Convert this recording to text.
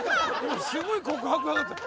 すごい告白があった。